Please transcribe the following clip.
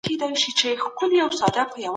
حقیقت باید ټولو ته رابرسېره سي.